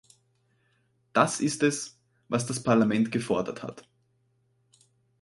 Das ist es, was das Parlament gefordert hat.